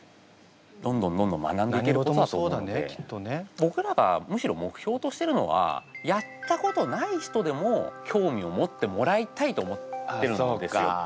ぼくらがむしろ目標としてるのはやったことない人でも興味を持ってもらいたいと思ってるんですよ。